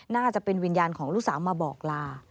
น่าจะเป็นวิญญาณของลูกสาวมาบอกลา